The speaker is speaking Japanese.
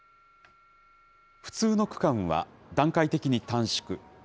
不通の区間は段階的に短縮。